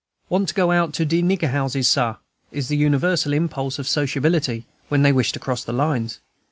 "Want to go out to de nigger houses, Sah," is the universal impulse of sociability, when they wish to cross the lines.